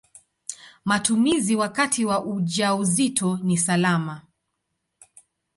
Matumizi wakati wa ujauzito ni salama.